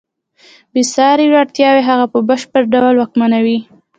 بېساري وړتیاوې هغه په بشپړ ډول واکمنوي.